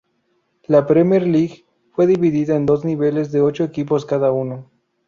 La Premier League fue dividida en dos niveles de ocho equipos cada uno.